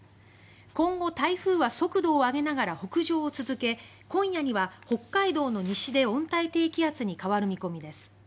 今後、台風は速度を上げながら北上を続け今夜には北海道の西で温帯低気圧に変わる見込みです。